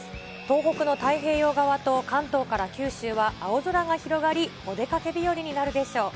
東北の太平洋側と関東から九州は青空が広がり、お出かけ日和になるでしょう。